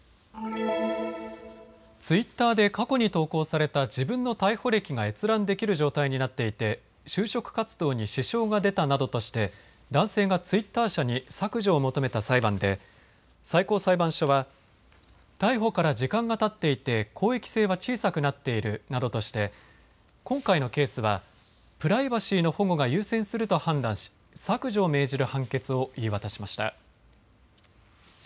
ツイッターで過去に投稿された自分の逮捕歴が閲覧できる状態になっていて就職活動に支障が出たなどとして男性がツイッター社に削除を求めた裁判で最高裁判所は逮捕から時間がたっていて公益性は小さくなっているなどとして今回のケースはプライバシーの保護が優先すると判断し削除を命じる判決を言い渡しました。